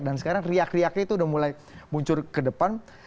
dan sekarang riak riaknya itu sudah mulai muncul ke depan